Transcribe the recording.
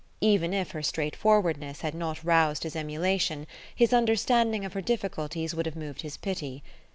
Even if her straightforwardness had not roused his emulation, his understanding of her difficulties would have moved his pity.